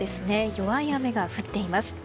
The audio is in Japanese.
弱い雨が降っています。